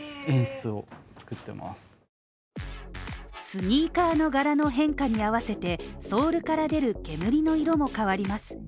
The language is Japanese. スニーカーの柄の変化に合わせてソールから出る煙の色も変わります。